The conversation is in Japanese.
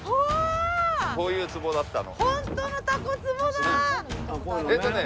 こういうつぼだったの。